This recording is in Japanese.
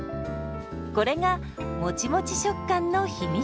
これがもちもち食感の秘密。